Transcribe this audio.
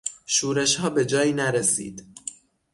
شورشها به جایی نرسید.